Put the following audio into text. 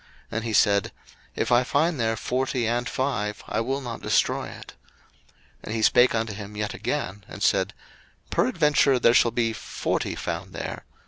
And he said, If I find there forty and five, I will not destroy it. 01:018:029 And he spake unto him yet again, and said, Peradventure there shall be forty found there.